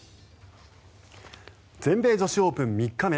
全米女子オープン３日目。